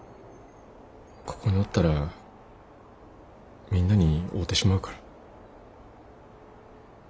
ここにおったらみんなに会うてしまうから。